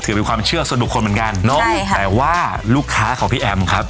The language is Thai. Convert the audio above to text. ความเชื่อส่วนบุคคลเหมือนกันเนอะใช่ค่ะแต่ว่าลูกค้าของพี่แอมครับ